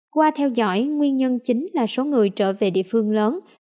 qua theo dõi nguyên nhân chính là số người trở về địa phương lớn